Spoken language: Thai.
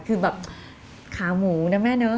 คือแบบขาหมูนะแม่เนอะ